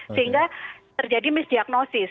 sehingga terjadi misdiagnosis